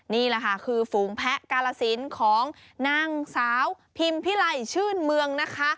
นี่แหละค่ะคือฝูงแพะกาลสินของนางสาวพิมพิไลชื่นเมืองนะคะ